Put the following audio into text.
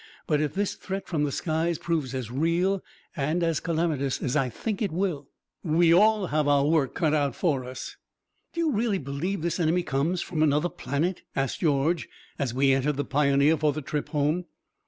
"But, if this threat from the skies proves as real and as calamitous as I think it will, we all have our work cut out for us." "Do you really believe this enemy comes from another planet?" asked George as we entered the Pioneer for the trip home.